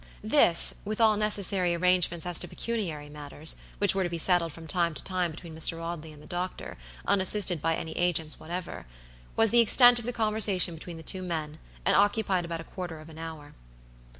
Thiswith all necessary arrangements as to pecuniary matters, which were to be settled from time to time between Mr. Audley and the doctor, unassisted by any agents whateverwas the extent of the conversation between the two men, and occupied about a quarter of an hour.